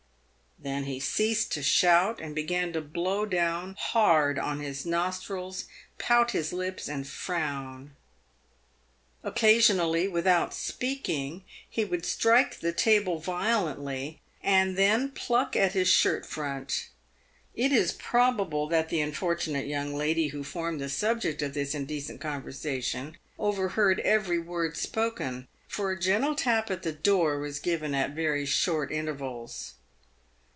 Then he ceased to shout and began to blow hard down his nostrils, pout his lips, and frown. Occasionally, without speaking, he would strike the table violently, and then pluck at his shirt front. It is probable that the unfortunate young lady who formed the subject of this indecent conversation overheard every word spoken, for a gentle tap at the door was given at very short intervals.